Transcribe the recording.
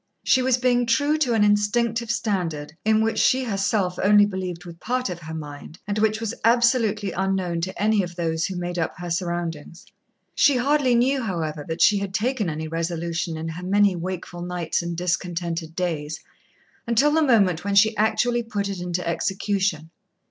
She was being true to an instinctive standard, in which she herself only believed with part of her mind, and which was absolutely unknown to any of those who made up her surroundings. She hardly knew, however, that she had taken any resolution in her many wakeful nights and discontented days, until the moment when she actually put it into execution.